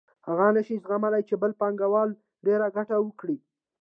هغه نشي زغملای چې بل پانګوال ډېره ګټه وکړي